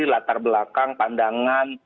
latar belakang pandangan